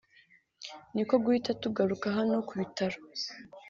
ni ko guhita tugaruka hano ku bitaro